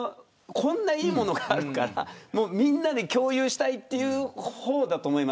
こんなにいいものがあるからみんなで共有したいという方だと思います。